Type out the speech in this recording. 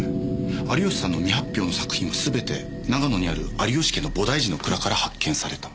有吉さんの未発表の作品は全て長野にある有吉家の菩提寺の蔵から発見された。